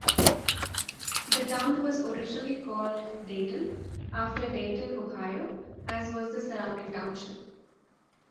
The town was originally called Dayton, after Dayton, Ohio, as was the surrounding township.